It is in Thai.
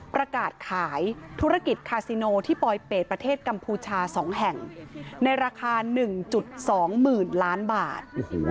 ประกาศขายธุรกิจคาซิโนที่ปลอยเป็ดประเทศกัมพูชา๒แห่งในราคา๑๒๐๐๐ล้านบาท